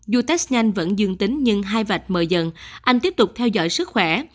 dù test nhanh vẫn dương tính nhưng hai vạch mờ dần anh tiếp tục theo dõi sức khỏe